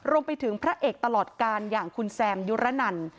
รวมไปถึงพระเอกตลอดการอย่างคุณแซมยุระนัน